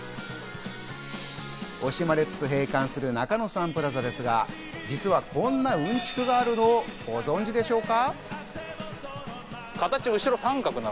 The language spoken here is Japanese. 惜しまれつつ閉館する中野サンプラザですが、実は、こんなウンチクがあるのをご存知でしょうか？